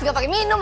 gak pakai minum